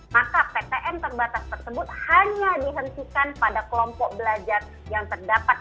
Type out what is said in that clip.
maka ptm terbatas tersebut hanya dihentikan pada kelompok belajar yang terdapat